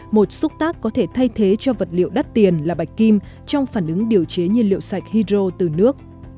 một xúc tác có thể thay thế cho vật liệu đắt tiền là bạch kim trong phản ứng điều chế nhiên liệu sạch hydro từ nước